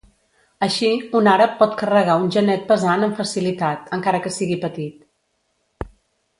Així, un àrab pot carregar un genet pesant amb facilitat, encara que sigui petit.